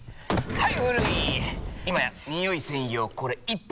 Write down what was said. はい！